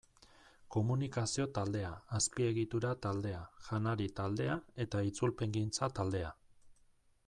Komunikazio taldea, Azpiegitura taldea, Janari taldea eta Itzulpengintza taldea.